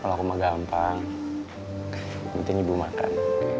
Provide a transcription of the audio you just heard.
kalau aku mah gampang penting ibu makan